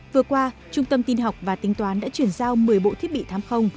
vừa qua trung tâm tin học và tính toán đã chuyển giao một mươi bộ thiết bị thám không